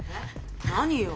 何よ？